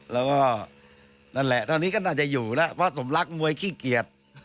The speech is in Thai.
แล้วก็นั่นแหละตอนนี้ก็น่าจะอยู่แล้วเพราะสมรักมวยขี้เกียจ